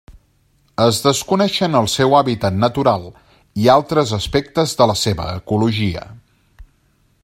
Es desconeixen el seu hàbitat natural i altres aspectes de la seva ecologia.